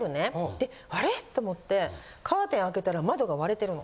であれ？と思ってカーテン開けたら窓が割れてるの。